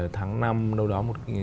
tháng năm đâu đó một một nghìn một